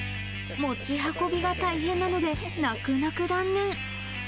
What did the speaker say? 持ち運びが大変なので、泣く泣く断念。